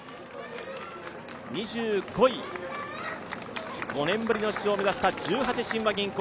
２５位、５年ぶりの出場を目指した十八親和銀行。